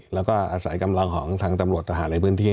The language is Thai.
แล้วก็อาศัยกำลังของทางตำรวจทหารในพื้นที่